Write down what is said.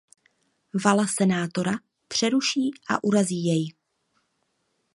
Vala senátora přeruší a urazí jej.